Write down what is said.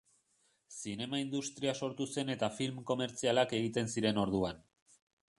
Zinema industria sortu zen eta film komertzialak egiten ziren orduan.